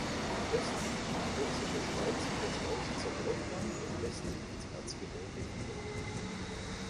Östlich geht die Sächsische Schweiz in das Lausitzer Bergland und westlich ins Erzgebirge über.